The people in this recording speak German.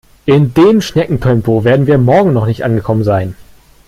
In dem Schneckentempo werden wir morgen noch nicht angekommen sein.